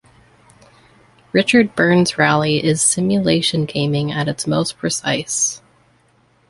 Richard Burns Rally is simulation gaming at its most precise.